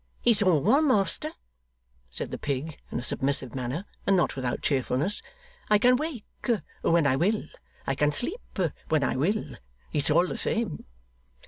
'It's all one, master,' said the pig, in a submissive manner, and not without cheerfulness; 'I can wake when I will, I can sleep when I will. It's all the same.